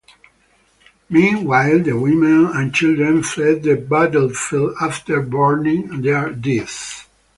Meanwhile, the women and children fled the battlefield after burying their dead.